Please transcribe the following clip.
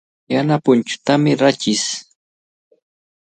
Yana punchuutami rachish.